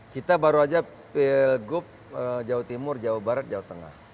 kita baru aja pilgub jawa timur jawa barat jawa tengah